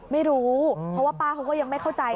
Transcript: ไม่รู้เพราะว่าป้าเขาก็ยังไม่เข้าใจ